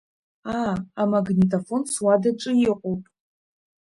Аа, амагнитофон суадаҿы иҟоуп.